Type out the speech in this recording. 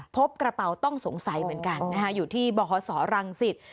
พบกระเป๋าต้องสงสัยเหมือนกันอยู่ที่บคศรังสิต